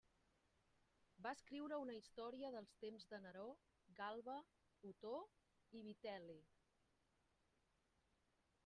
Va escriure una història dels temps de Neró, Galba, Otó i Vitel·li.